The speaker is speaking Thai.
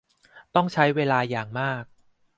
ต้องใช้เวลาอย่างมาก